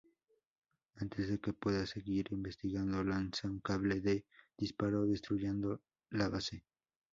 Antes de que pueda seguir investigando, lanza un cable de disparo, destruyendo la base.